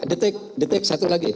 detik detik satu lagi